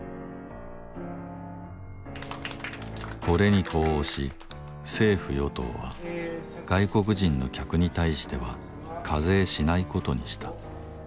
これに呼応し政府・与党は外国人の客に対しては課税しない事にした。